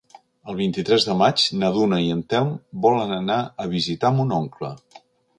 El vint-i-tres de maig na Duna i en Telm volen anar a visitar mon oncle.